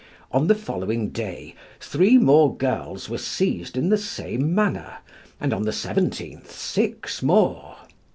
On the following day three more girls were seized in the same manner, and on the 17th six more.